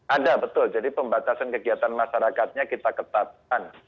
ada betul jadi pembatasan kegiatan masyarakatnya kita ketatkan